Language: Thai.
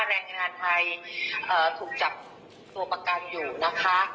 แรงงานไทยถูกจับตัวประกันอยู่นะคะ